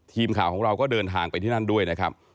ทีมข่าวของเราก็เดินทางไปที่นั่นด้วยนะครับ